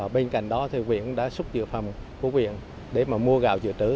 bên cạnh đó thì huyện đã xúc dự phòng của huyện để mà mua gạo dự trữ